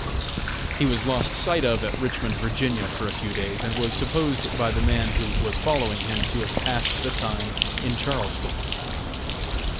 He was lost sight of at Richmond, Va., for a few days, and was supposed by the man who was following him, to have passed the time in Charleston.